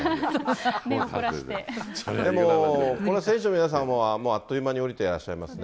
でもこの選手の皆さんも、もうあっという間に降りてらっしゃいますね。